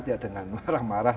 tidak dengan marah marah